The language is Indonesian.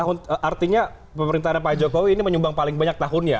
lima tahun artinya pemerintahan pak jokowi ini menyumbang paling banyak tahunnya